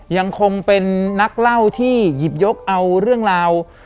ยังคงเป็นนักเล่าที่หยิบยกเอาเรื่องราว